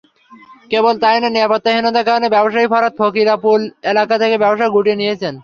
কেবল তা-ই নয়, নিরাপত্তাহীনতার কারণে ব্যবসায়ী ফরহাদ ফকিরাপুল এলাকা থেকে ব্যবসাও গুটিয়ে নিয়েছেন।